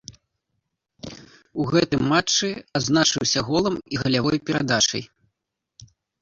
У гэтым матчы адзначыўся голам і галявой перадачай.